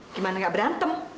gimana gak berantem